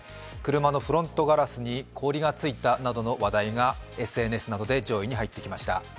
車のフロントガラスに氷がついたなどの話題がＳＮＳなどで上位に入ってきました。